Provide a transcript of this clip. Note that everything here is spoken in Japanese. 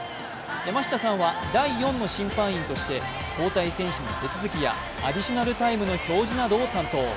山下さんは第４の審判員として交代選手の手続きやアディショナルタイムなどの表示を担当。